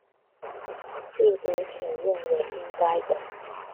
掠奪者認為應該的